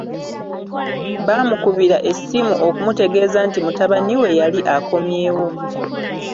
Baamukubira essimu okumutegeeza nti mutabani we yali akomyewo.